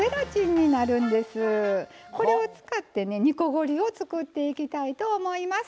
これを使ってね煮こごりを作っていきたいと思います。